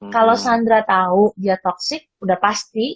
kalau sandra tau dia toxic udah pasti